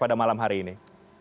pada malam hari ini